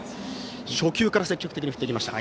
初球から積極的に振ってきました。